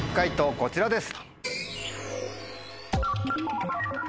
こちらです。